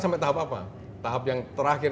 sampai tahap apa tahap yang terakhir